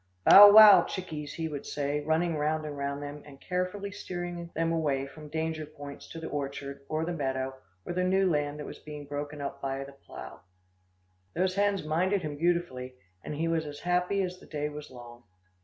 "Bow, wow! chickies," he would say, running round and round them, and carefully steering them away from danger points to the orchard or the meadow, or the new land that was being broken up by a plough. Those hens minded him beautifully, and he was as happy as the day was long.